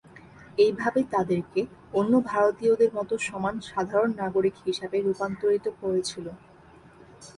এইভাবে তাদেরকে অন্য ভারতীয়দের মতো সমান সাধারণ নাগরিক হিসাবে রূপান্তরিত করেছিল।